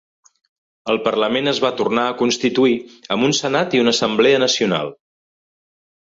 El Parlament es va tornar a constituir amb un Senat i una Assemblea Nacional.